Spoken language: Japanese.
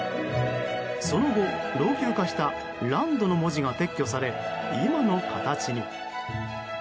その後、老朽化した「ＬＡＮＤ」の文字が撤去され今の形に。